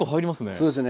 そうですね。